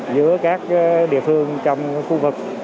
giữa các địa phương trong khu vực